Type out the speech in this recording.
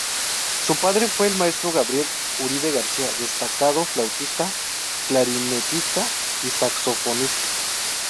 Su padre fue el maestro Gabriel Uribe García, destacado flautista, clarinetista y saxofonista.